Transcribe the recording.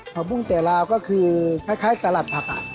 ผักบุ้งแต่ลาวก็คือคล้ายสลัดผัก